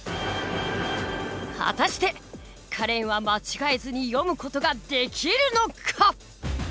果たしてカレンは間違えずに読む事ができるのか？